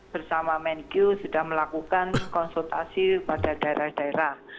bersama menq sudah melakukan konsultasi pada daerah daerah